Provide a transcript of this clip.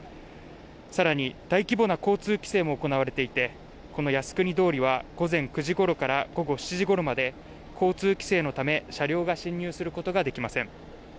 さらに大規模な交通規制も行われていてこの靖国通りは午前９時頃から午後７時頃まで交通規制のため車両が進入することができません